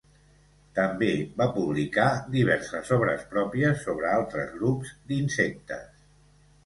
També va publicar diverses obres pròpies sobre altres grups d'insectes.